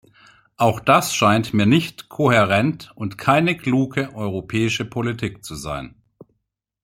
Auch das scheint mir nicht kohärent und keine kluge europäische Politik zu sein.